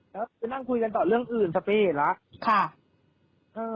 แล้วก็นั่งคุยกันต่อเรื่องอื่นสำหรับเหตุลักษณ์